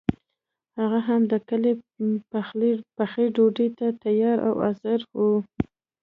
هغه هم د کلي پخې ډوډۍ ته تیار او راضي وو.